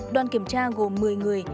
đoàn kiểm tra gồm một mươi người